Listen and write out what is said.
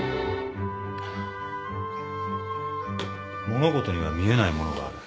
物事には見えないものがある。